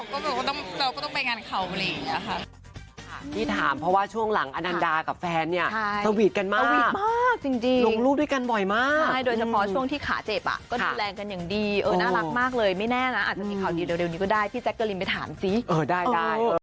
ก็ไม่ต้องไปเพราะว่าเราไปจากงานคุณอื่นแล้วเขาต้องมาก็เราต้องไปงานเขาเลย